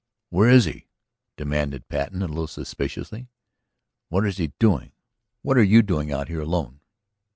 "Where is he?" demanded Patten a little suspiciously. "What is he doing? What are you doing out here alone?"